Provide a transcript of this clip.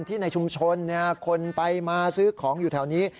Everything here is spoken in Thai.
ในชุมชนคนไปมาซื้อของอยู่แถวนี้